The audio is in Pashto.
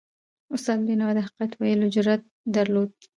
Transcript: استاد بینوا د حقیقت ویلو جرأت درلود.